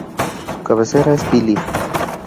Su cabecera es Pili.